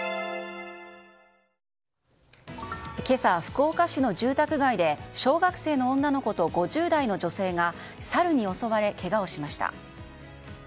今朝、福岡市の住宅街で小学生の女の子と５０代の女性がサルに襲われ、けがをしました。